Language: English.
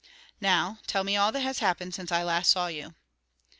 "Now, tell me all that has happened since I last saw you."